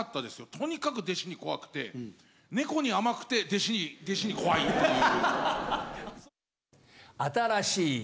とにかく弟子に怖くて、猫に甘くて、弟子に怖いっていう。